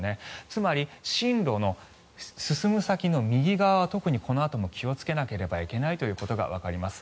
つまり、進路の進む先の右側は特にこのあとも気をつけなければいけないということがわかります。